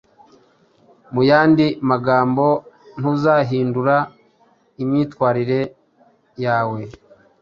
Mu yandi magambo, ntuzahindura imyitwarire yawe